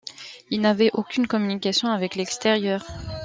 Il n'avait aucune communication avec l'extérieur.